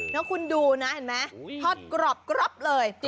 แล้วคุณดูนะเห็นไหมทอดกรอบเลย